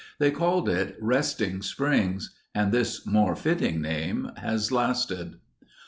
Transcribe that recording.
They called it "Resting Springs" and this more fitting name has lasted.